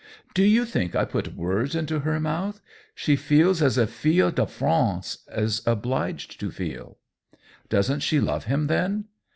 "Do you think I put words into her mouth ? She feels as a fille de France is obliged to feel !"" Doesn't she love him then